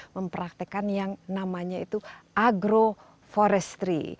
mempraktekan yang namanya itu agroforestry